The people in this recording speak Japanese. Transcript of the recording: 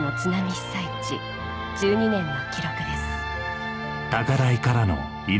被災地１２年の記録です